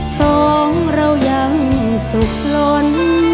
สองเรายังสุขล้น